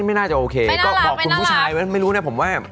ไม่น่าจะโอเคก็บอกคุณผู้ชายไว้ไม่รู้นะผมว่า